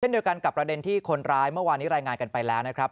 เดียวกันกับประเด็นที่คนร้ายเมื่อวานนี้รายงานกันไปแล้วนะครับ